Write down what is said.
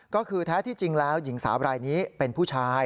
ก็คือแท้ที่จริงแล้วหญิงสาวรายนี้เป็นผู้ชาย